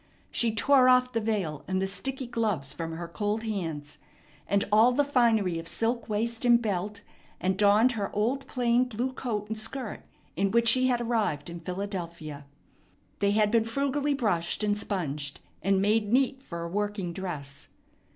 She tore off the veil, and the sticky gloves from her cold hands, and all the finery of silk waist and belt, and donned her old plain blue coat and skirt in which she had arrived in Philadelphia. They had been frugally brushed and sponged, and made neat for a working dress.